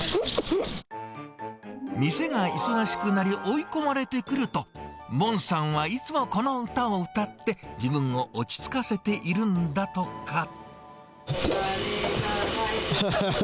店が忙しくなり、追い込まれてくると、モンさんはいつもこの歌を歌って、自分を落ち着かせているんだとか。